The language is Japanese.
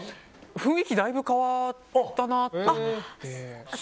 雰囲気だいぶ変わったなと思って。